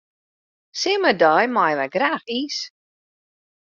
Simmerdei meie wy graach iis.